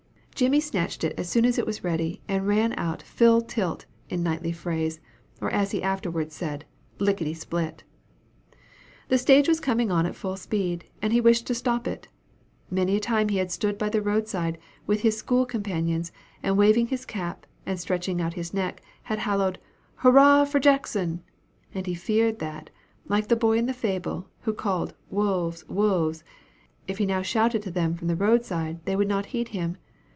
Jimmy snatched it as soon as it was ready, and ran out "full tilt," in knightly phrase, or, as he afterwards said, "lickity split." The stage was coming on at full speed, and he wished to stop it. Many a time had he stood by the road side, with his school companions, and, waving his cap, and stretching out his neck, had hallooed, "Hurrah for Jackson!" and he feared that, like the boy in the fable, who called "Wolves! wolves!" if he now shouted to them from the road side, they would not heed him.